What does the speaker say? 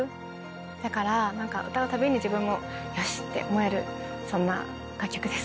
だから歌うたびに自分も「よし」って思えるそんな楽曲です。